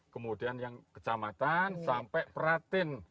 kemudian yang kecamatan sampai peratin